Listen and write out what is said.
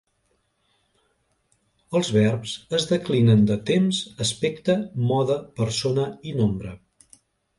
Els verbs es declinen de temps, aspecte, mode, persona i nombre.